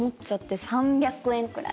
３００円くらい。